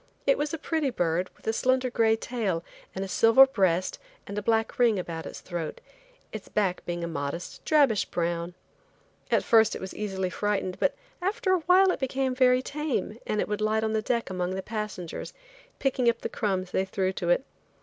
It was a pretty bird with a slender gray tail and a silver breast and a black ring about its throat, its back being a modest drabish brown. At first it was easily frightened but after awhile it became very tame and would light on the deck among the passengers, picking up the crumbs they threw to it.